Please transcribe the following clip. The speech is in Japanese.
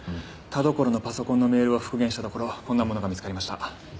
田所のパソコンのメールを復元したところこんなものが見つかりました。